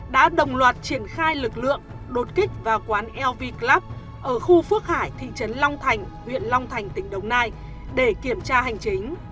đã đồng loạt triển khai lực lượng đột kích vào quán lv club ở khu phước hải thị trấn long thành huyện long thành tỉnh đồng nai để kiểm tra hành chính